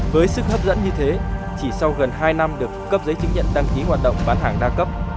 với sức hấp dẫn như thế chỉ sau gần hai năm được cấp giấy chứng nhận đăng ký hoạt động bán hàng đa cấp